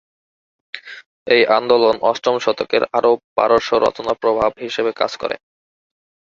এই আন্দোলন অষ্টম শতকের আরব-পারস্য রচনার প্রভাবক হিসেবে কাজ করে।